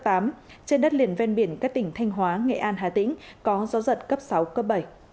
trên đất liền ven biển các tỉnh thanh hóa nghệ an hà tĩnh có gió giật cấp sáu cấp bảy